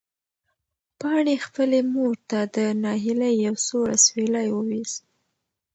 پاڼې خپلې مور ته د ناهیلۍ یو سوړ اسوېلی وویست.